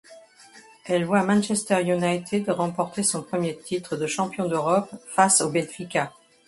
Elle voit Manchester United remporter son premier titre de champion d'Europe face au Benfica.